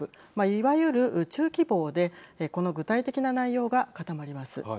いわゆる中期防でこの具体的な内容が固まります。